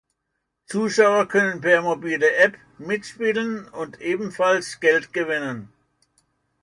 Zuschauer können per Mobile App mitspielen und ebenfalls Geld gewinnen.